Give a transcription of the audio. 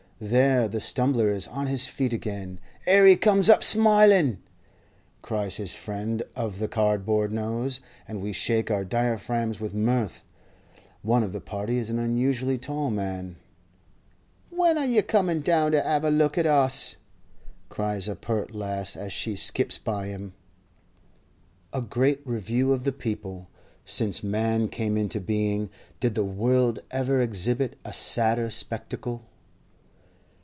There, the stumbler is on his feet again. ''Ere he comes up smilin'!' cries his friend of the cardboard nose, and we shake our diaphragms with mirth. One of the party is an unusually tall man. 'When are you comin' down to have a look at us?' cries a pert lass as she skips by him. A great review of the People. Since man came into being did the world ever exhibit a sadder spectacle?